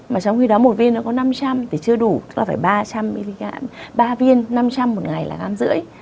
mà trong khi đó một viên nó có năm trăm linh thì chưa đủ tức là phải ba trăm linh mg ba viên năm trăm linh một ngày là năm năm trăm linh mg